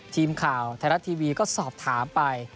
ทีมข่าวไทยรัฐทีวีก็สอบถามไป